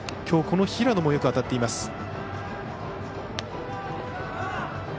きょう、この平野もよく当たっています。